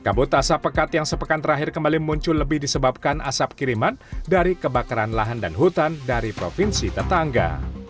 kabut asap pekat yang sepekan terakhir kembali muncul lebih disebabkan asap kiriman dari kebakaran lahan dan hutan dari provinsi tetangga